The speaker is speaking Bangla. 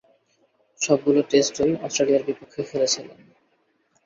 সবগুলো টেস্টই অস্ট্রেলিয়ার বিপক্ষে খেলেছিলেন।